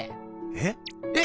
えっ⁉えっ！